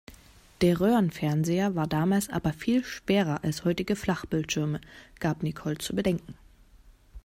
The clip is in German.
Der Röhrenfernseher war damals aber viel schwerer als heutige Flachbildschirme, gab Nicole zu bedenken.